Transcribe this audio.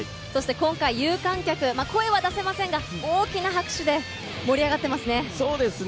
今回、有観客、声は出せませんが、大きな拍手で盛り上がっていますね。